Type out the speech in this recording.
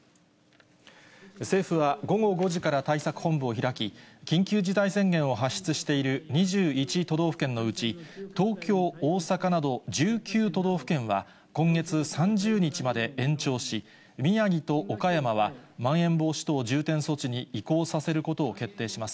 政府は午後５時から対策本部を開き、緊急事態宣言を発出している２１都道府県のうち、東京、大阪など１９都道府県は、今月３０日まで延長し、宮城と岡山は、まん延防止等重点措置に移行させることを決定します。